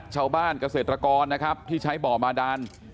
เกษตรกรนะครับที่ใช้บ่อบาดาน